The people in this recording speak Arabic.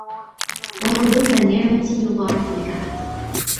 وَحُدُوثَ النِّعْمَةِ يُضَاعِفُ الْكَمَدَ